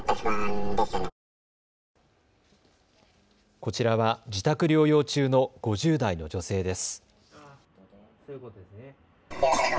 こちらは自宅療養中の５０代の女性です。